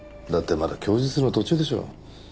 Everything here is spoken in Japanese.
だってまだ供述の途中でしょう。